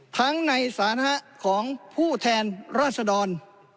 ทั้งในศาลของผู้แทนราชดร